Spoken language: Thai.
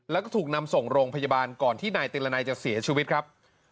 แล้วก็ถูกนำส่งโรงพยาบาลก่อนที่นายติรนัยจะเสียชีวิตครับ